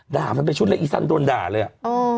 ด่ามันไปชุดเล็กอีสันโดนด่าเลยอ่ะ